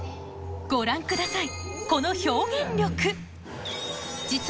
・ご覧ください